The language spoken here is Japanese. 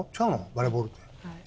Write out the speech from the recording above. バレーボールって。